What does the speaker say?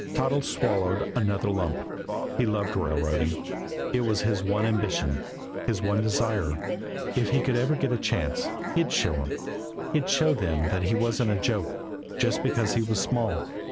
Toddles swallowed another lump. He loved railroading; it was his one ambition, his one desire. If he could ever get a chance, he'd show them! He'd show them that he wasn't a joke, just because he was small!